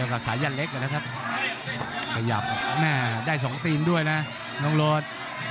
กระหยับได้๒ตีนด้วยนะน้องรถ